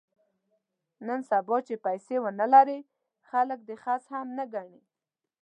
نن سبا چې پیسې ونه لرې خلک دې خس هم نه ګڼي.